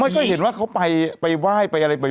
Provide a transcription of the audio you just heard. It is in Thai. ไม่ก็เห็นว่าเค้าไปไปไหว้ไปอะไรบ่อย